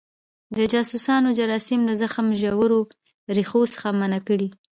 د جاسوسانو جراثیم له زخم ژورو ریښو څخه منع کړي.